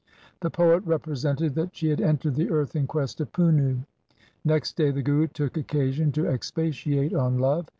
The poet represented that she had entered the earth in quest of Punnu. Next day the Guru took occasion to expatiate on love.